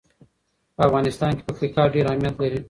په افغانستان کې پکتیکا ډېر اهمیت لري.